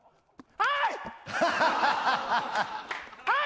はい！